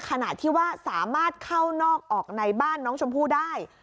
ขณะที่ว่าสามารถเข้านอกออกในบ้านน้องชมพู่ได้